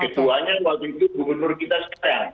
ketuanya waktu itu gubernur kita sekarang